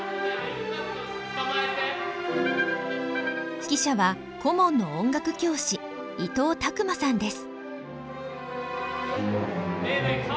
指揮者は顧問の音楽教師伊藤巧真さんです。